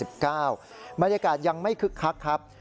บรรยากาศยังไม่คึกคักครับ